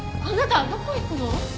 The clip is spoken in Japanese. あなたどこ行くの？